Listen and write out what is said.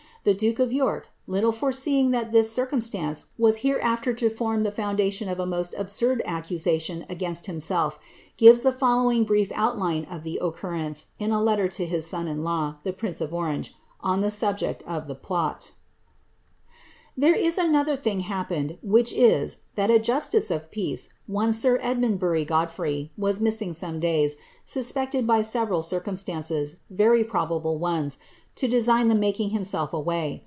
The duke of York, little feseeing that this circumstance was hereafter to form the foundation ' a most absurd accusation against himself, gives the following brief itline of the occurrence, in a letter to his son in law, the prince of range, on the subject of the plot :—"■ There is another thing happened, which is, that a justice of peace, one sir Imnndbury Godfrey, was missing some days, suspected by several circum iDces, very probable ones, to desi{(n the making himself away.